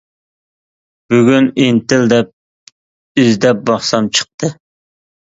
بۈگۈن ئىنتىل دەپ ئىزدەپ باقسام چىقتى.